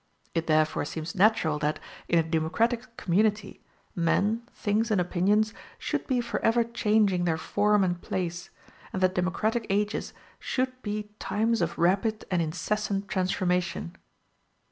It therefore seems natural that, in a democratic community, men, things, and opinions should be forever changing their form and place, and that democratic ages should be times of rapid and incessant transformation.